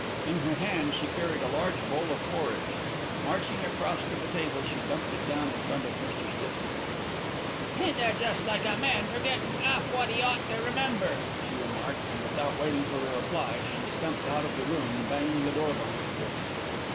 In her hands she carried a large bowl of porridge. Marching across to the table, she dumped it down in front of Mr. Stiffson. "Ain't that jest like a man, forgettin' 'alf o' wot 'e ought to remember!" she remarked and, without waiting for a reply, she stumped out of the room, banging the door behind her.